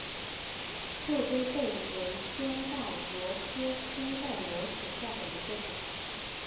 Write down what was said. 皱杯贝为偏盖螺科偏盖螺属下的一个种。